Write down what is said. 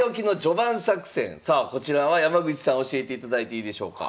さあこちらは山口さん教えていただいていいでしょうか？